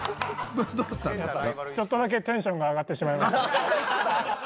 ちょっとだけテンションが上がってしまいました。